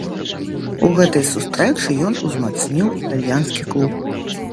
У гэтай сустрэчы ён узмацніў італьянскі клуб.